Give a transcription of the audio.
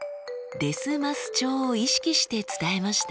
「です・ます調」を意識して伝えました。